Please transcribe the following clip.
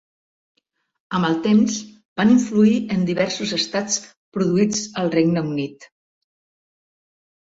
Amb el temps van influir en diversos estats produïts al Regne Unit.